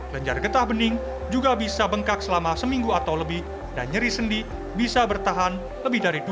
lenjar getah bening juga bisa bengkak selama seminggu atau lebih dan nyeri sendi bisa bertahan lebih dari dua jam